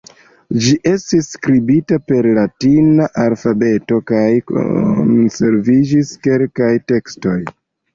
Ĝi estis skribita per latina alfabeto kaj konserviĝis kelkaj tekstoj.